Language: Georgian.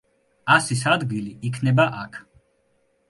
ასის ადგილი იქნება აქ.